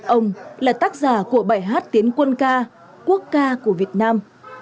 ông là tác giả của bài hát tiến quân ca quốc ca của việt nam